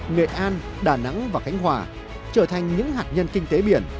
nghệ an đà nẵng và khánh hòa trở thành những hạt nhân kinh tế biển